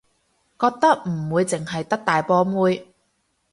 覺得唔會淨係得大波妹